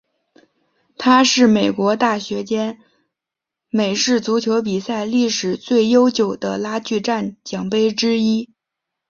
它是美国大学间美式足球比赛历史最悠久的拉锯战奖杯之一。